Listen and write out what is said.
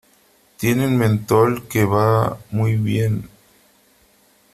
tienen mentol que va muy bien .